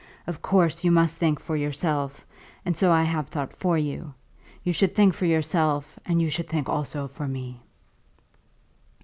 Of course you must think for yourself; and so have I thought for you. You should think for yourself, and you should think also for me."